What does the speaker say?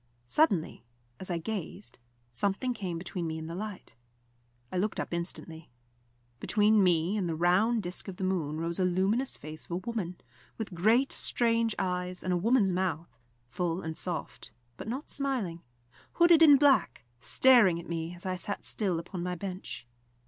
Suddenly, as I gazed, something came between me and the light. I looked up instantly. Between me and the round disc of the moon rose a luminous face of a woman, with great strange eyes, and a woman's mouth, full and soft, but not smiling, hooded in black, staring at me as I sat still upon my bench.